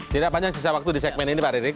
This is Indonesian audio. tidak panjang sisa waktu di segmen ini pak ridrik